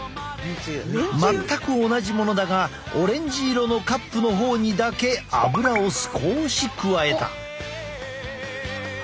全く同じものだがオレンジ色のカップの方にだけアブラを少し加えた。